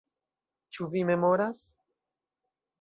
Ĉu vi memoras?